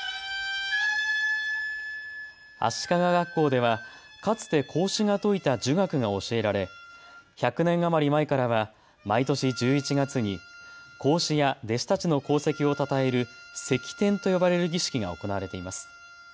足利学校では、かつて孔子が説いた儒学が教えられ１００年余り前からは毎年１１月に孔子や弟子たちの功績をたたえる釋奠と呼ばれる儀式が行われています。